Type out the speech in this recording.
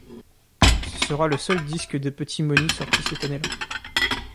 Ce sera le seul disque de Petit Moni sorti cette année-là.